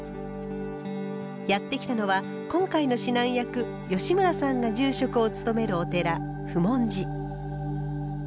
やって来たのは今回の指南役吉村さんが住職を務めるお寺普門寺。